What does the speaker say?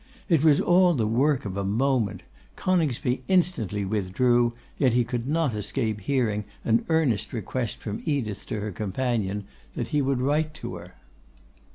It was all the work of a moment. Coningsby instantly withdrew, yet could not escape hearing an earnest request from Edith to her companion that he would write to her.